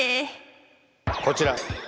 こちら。